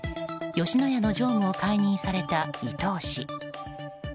吉野家の常務を解任された伊東氏。